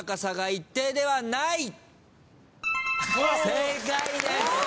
正解です。